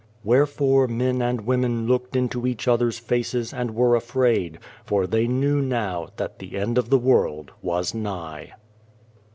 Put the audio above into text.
Wherefore men and women looked into each other's faces and were afraid, for they knew now that the end of the world was nigh.